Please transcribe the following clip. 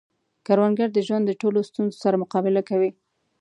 کروندګر د ژوند د ټولو ستونزو سره مقابله کوي